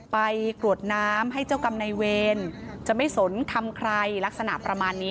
กรวดน้ำให้เจ้ากรรมในเวรจะไม่สนคำใครลักษณะประมาณนี้